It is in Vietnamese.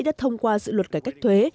đã thông qua dự luật cải cách thuê